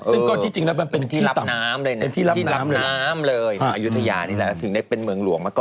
ซึ่งก็ที่จริงแล้วมันเป็นที่รับน้ำเลยนะที่ลำน้ำเลยอายุทยานี่แหละถึงได้เป็นเมืองหลวงมาก่อน